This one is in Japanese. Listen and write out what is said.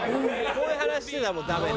こういう話してたらもうダメね。